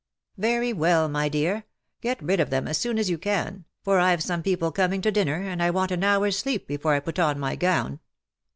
" Very well, my dear ; get rid of them as soon as you can, for Tve some people coming to dinner, and I want an hour's sleep before I put on my gown.